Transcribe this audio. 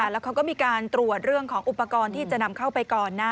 แล้วเขาก็มีการตรวจเรื่องของอุปกรณ์ที่จะนำเข้าไปก่อนนะ